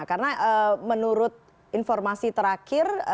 karena menurut informasi terakhir